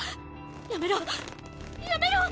やめろやめろ！